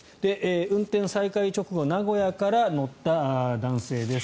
運転再開直後名古屋から乗った男性です。